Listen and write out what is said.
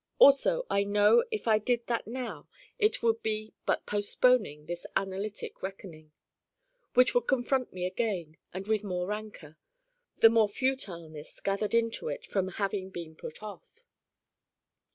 Also I know if I did that now it would be but postponing this analytic reckoning. Which would confront me again with the more rancor, the more futileness gathered into it from having been put off.